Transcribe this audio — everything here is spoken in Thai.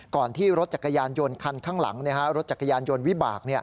ที่รถจักรยานยนต์คันข้างหลังรถจักรยานยนต์วิบาก